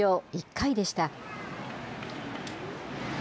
１回でした。